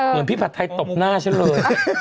เหมือนพี่ผัดไทยตบหน้าฉันเลย